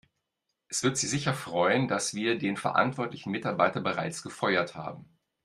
Es wird Sie sicher freuen, dass wir den verantwortlichen Mitarbeiter bereits gefeuert haben.